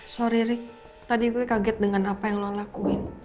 sorry rick tadi gue kaget dengan apa yang lo lakuin